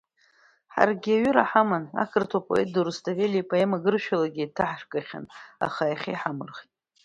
Ҳаргьы аҩыра ҳаман, ақырҭуа поет ду Русҭавели ипоема гыршәалагьы еиҭаргахьан, аха иахьа иҳамырхит.